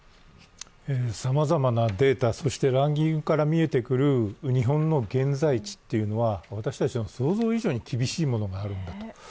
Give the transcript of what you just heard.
さまざまなデータ、ランキングから見えてくる日本の現在地というのは私たちの想像以上に厳しいものだあるんだと。